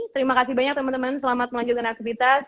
terima kasih banyak temen temen selamat melanjutkan aktivitas